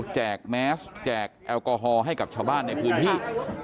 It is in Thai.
แมสแจกแอลกอฮอล์ให้กับชาวบ้านในพื้นที่